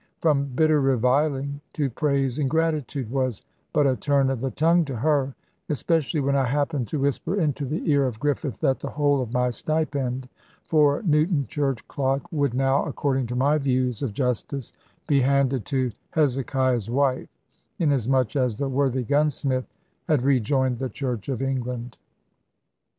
From bitter reviling to praise and gratitude was but a turn of the tongue to her; especially when I happened to whisper into the ear of Griffith that the whole of my stipend for Newton Church clock would now, according to my views of justice, be handed to Hezekiah's wife, inasmuch as the worthy gunsmith had rejoined the Church of England.